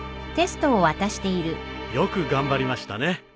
よく頑張りましたね。